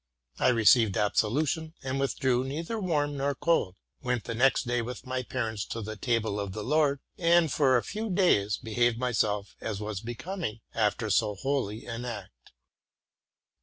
I received absolu tion, and withdrew neither warm nor cold; went the next day with my parents to the Table of the Lord, and, for s few days, behaved myself as was becoming after so holy an act.